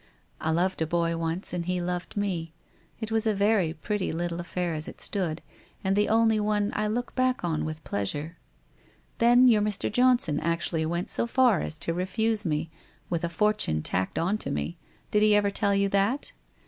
I loved a boy once, and he loved me. It was a very pretty little affair as it stood, and the only one I look back on with pleasure. Then your Mr. Johnson actually went so far as to refuse me, with a fortune tacked on to mc — did he ever tell you that?